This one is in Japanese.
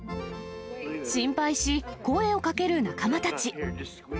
心配し、声をかける仲間たち。